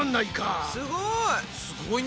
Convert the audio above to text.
すごい！